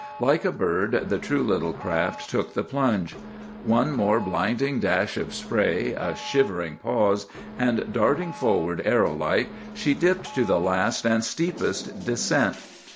"Like a bird, the true little craft took the plunge. One more blinding dash of spray, a shivering pause, and, darting forward arrow like, she dipped to the last and steepest descent.